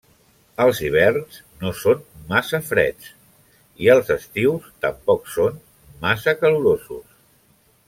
Els hiverns no són massa freds i els estius tampoc són massa calorosos.